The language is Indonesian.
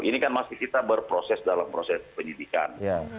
ini kan masih kita berproses dalam proses penyidikan